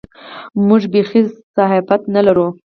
موږ بېخي صحافت نه لرو.